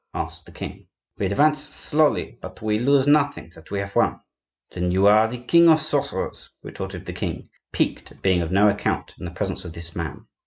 asked the king. "We advance slowly; but we lose nothing that we have won." "Then you are the king of sorcerers?" retorted the king, piqued at being of no account in the presence of this man.